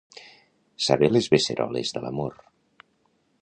Saber les beceroles de l'amor.